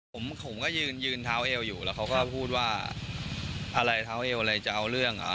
ผมผมก็ยืนยืนเท้าเอวอยู่แล้วเขาก็พูดว่าอะไรเท้าเอวอะไรจะเอาเรื่องอ่ะ